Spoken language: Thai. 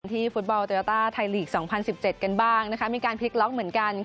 ที่ฟุตบอลไตลีก๒๐๑๗กันบ้างมีการพลิกล็อกเหมือนกัน